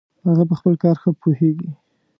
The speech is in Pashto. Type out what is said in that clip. هغه په خپل کار ښه پوهیږي